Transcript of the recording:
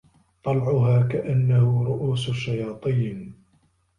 طَلعُها كَأَنَّهُ رُءوسُ الشَّياطينِ